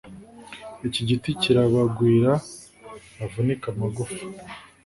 Iki giti kirabagwira bavunike amagufa